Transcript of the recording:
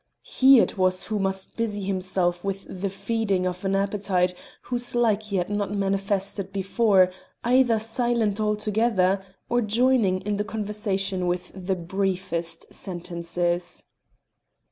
He it was who must busy himself with the feeding of an appetite whose like he had not manifested before, either silent altogether or joining in the conversation with the briefest sentences.